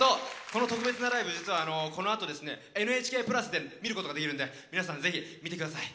この特別なライブ実はこのあと「ＮＨＫプラス」で見ることができるので皆さん、ぜひ見てください。